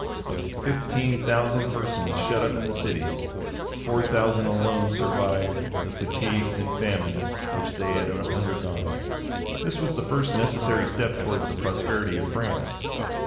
Of fifteen thousand persons shut up in the city, four thousand alone survived the fatigues and famine which they had undergone.[*] * Rushworth, vol. 1. p. 636. This was the first necessary step towards the prosperity of France.